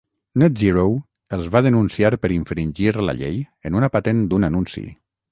NetZero els va denunciar per infringir la llei en una patent d'un anunci.